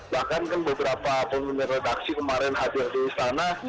bahkan kan beberapa pemir redaksi kemarin hadir di sana